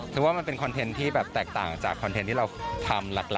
คือว่ามันเป็นคอนเทนต์ที่แบบแตกต่างจากคอนเทนต์ที่เราทำหลัก